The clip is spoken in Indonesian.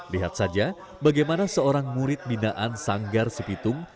lihat saja bagaimana seorang murid binaan sanggar sepitung